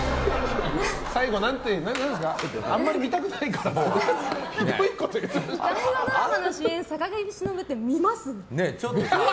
最後あんまり見たくないからって大河ドラマ主演の坂上忍って見ます？